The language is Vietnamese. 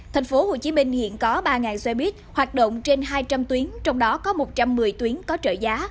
tp hcm hiện có ba xe buýt hoạt động trên hai trăm linh tuyến trong đó có một trăm một mươi tuyến có trợ giá